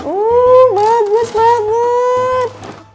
oh bagus bagus